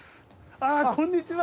あこんにちは。